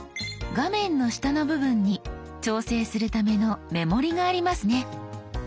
画面の下の部分に調整するための目盛りがありますね。